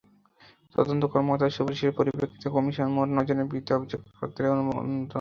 তদন্ত কর্মকর্তার সুপারিশের পরিপ্রেক্ষিতে কমিশন মোট নয়জনের বিরুদ্ধে অভিযোগপত্র অনুমোদন দিয়েছে।